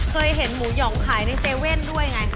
เคยเห็นหมูหย่องขายใน๗๑๑ด้วยไง